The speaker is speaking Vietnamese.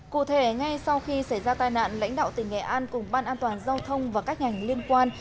cụ thể ngay sau khi xảy ra tai nạn lãnh đạo tỉnh nghệ an cùng ban an toàn giao thông và các ngành liên quan